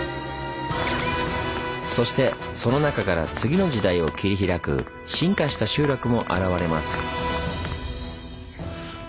そしてその中から次の時代を切り開く進化した集落も現れます。